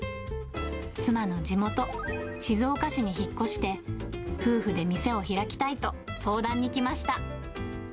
妻の地元、静岡市に引っ越して、夫婦で店を開きたいと相談に来ました。